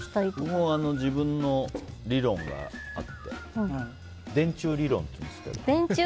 僕は自分の理論があって電柱理論っていうんですけどね。